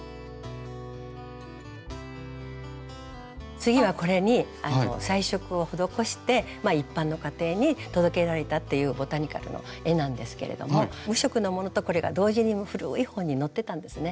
次はこれに彩色を施して一般の家庭に届けられたっていうボタニカルの絵なんですけれども無色のものとこれが同時に古い本に載ってたんですね。